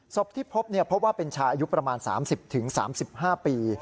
ศพที่พบเนี่ยพบว่าเป็นชายุคประมาณ๓๐๓๕ปี